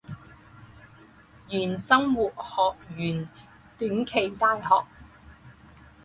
原生活学园短期大学。